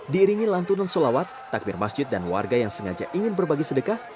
diiringi lantunan solawat takbir masjid dan warga yang sengaja ingin berbagi sedekah